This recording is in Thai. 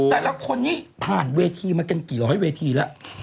แต่ละคนนี้ผ่านเวทีมากันกี่ร้อยเวทีแล้ว